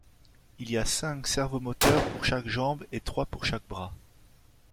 Il y a cinq servomoteurs pour chaque jambe et trois pour chaque bras.